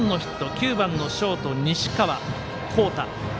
９番のショート、西川煌太。